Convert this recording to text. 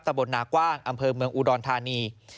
ตำรวจหน้ากว้างอำเภอเมืองอูดรทานี